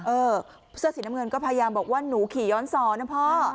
เออเสื้อสีน้ำเงินก็พยายามบอกว่าหนูขี่ย้อนสอนนะพ่อ